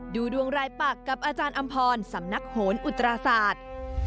ดูดวงรายปักกับอาจารย์อำพรสำนักโหนอุตราศาสตร์